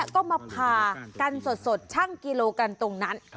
ก็มาพากันสดชั่งกิโลกันตรงนั้น